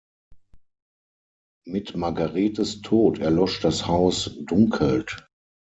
Mit Margaretes Tod erlosch das Haus Dunkeld.